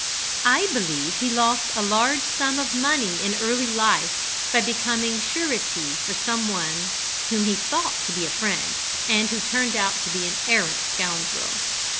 I believe he lost a large sum of money in early life by becoming surety for some one whom he thought to be a friend, and who turned out to be an arrant scoundrel.